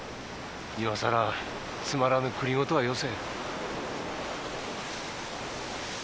今さらつまらぬ繰り言はよせ。